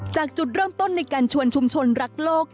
จุดเริ่มต้นในการชวนชุมชนรักโลก